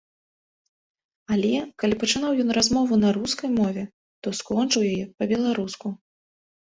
Але, калі пачынаў ён размову на рускай мове, то скончыў яе па-беларуску.